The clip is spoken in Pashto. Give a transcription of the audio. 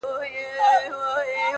• دغه زما غیور ولس دی-